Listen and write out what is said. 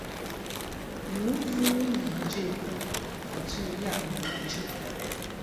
Nu vu ni nje ntɨ ilaʼ mun chəʼ.